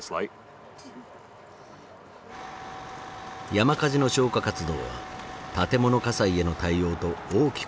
山火事の消火活動は建物火災への対応と大きく異なる。